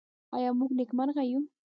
آیا موږ نېکمرغه یو؟